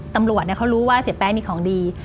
ตำรวจเขารู้ว่าเสียแป้งมีของดี